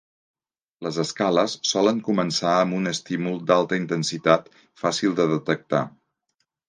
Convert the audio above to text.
Les escales solen començar amb un estímul d'alta intensitat, fàcil de detectar.